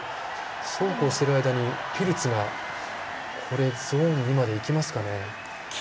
そうこうしている間にピルツがゾーン２までいきますかね。